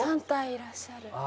３体いらっしゃる。